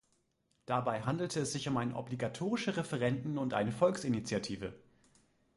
Dabei handelte es sich um ein obligatorische Referenden und eine Volksinitiative.